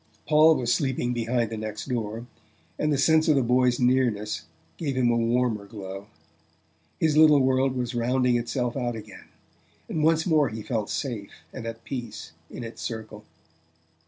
Paul was sleeping behind the next door, and the sense of the boy's nearness gave him a warmer glow. His little world was rounding itself out again, and once more he felt safe and at peace in its circle.